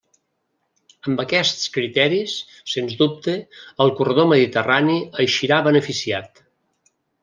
Amb aquests criteris, sens dubte, el corredor mediterrani eixirà beneficiat.